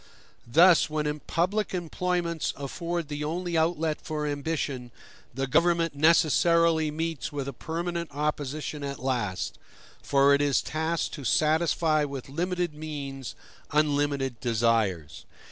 Thus, when public employments afford the only outlet for ambition, the government necessarily meets with a permanent opposition at last; for it is tasked to satisfy with limited means unlimited desires.